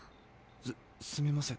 すっすみません。